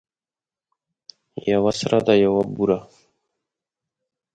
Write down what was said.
یوه سره ده یوه بوره.